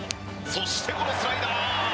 そしてこのスライダー。